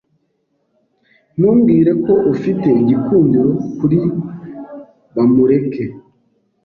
Ntumbwire ko ufite igikundiro kuri Bamureke.